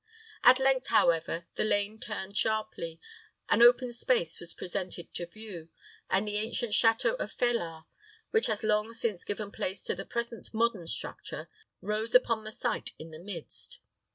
At length, however, the lane turned sharply, an open space was presented to view, and the ancient château of Felard, which has long since given place to the present modern structure, rose upon the sight in the midst.